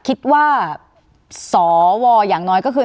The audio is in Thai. การแสดงความคิดเห็น